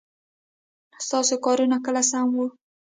ستاسو کارونه کله سم وه ؟